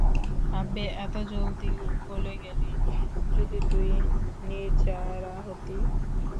আব্বে, এতো জলদি গলে গেলি, যদি তুই নির্জারা হতি।